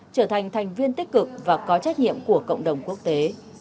trở thành thành viên tích cực và có trách nhiệm của cộng đồng quốc tế